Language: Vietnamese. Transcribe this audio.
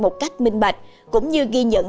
một cách minh bạch cũng như ghi nhận